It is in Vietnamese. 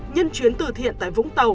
nhân chuyến tử thiện tại vũng tàu